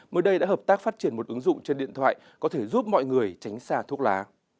mới đây đã hợp tác phát triển một ứng dụng trên điện thoại có thể giúp mọi người tránh xa thuốc lá